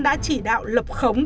đã chỉ đạo lập khống